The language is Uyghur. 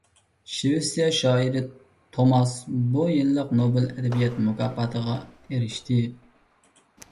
شىۋېتسىيە شائىرى توماس بۇ يىللىق نوبېل ئەدەبىيات مۇكاپاتىغا ئېرىشتى.